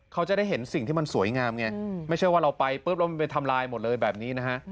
เขาจะได้เห็นสิ่งที่มันสวยงามไงไม่ใช่ว่าเราไปปุ๊บแล้วมันไปทำลายหมดเลยแบบนี้นะฮะ